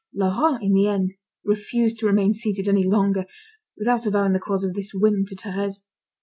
Laurent, in the end, refused to remain seated any longer, without avowing the cause of this whim to Thérèse.